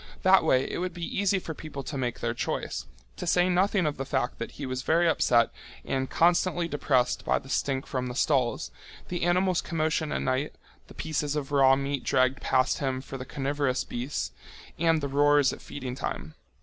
That way it would be easy for people to make their choice, to say nothing of the fact that he was very upset and constantly depressed by the stink from the stalls, the animals' commotion at night, the pieces of raw meat dragged past him for the carnivorous beasts, and the roars at feeding time.